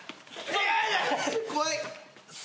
怖い！